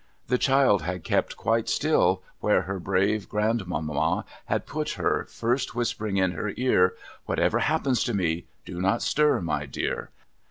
The child had kept quite still, where her brave grandmamma had put her (first whispering in her ear, 'Whatever happens to me, do not stir, my dear!')